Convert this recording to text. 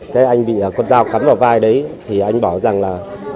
cái anh bị con dao cắm vào vai đấy thì anh bảo rằng là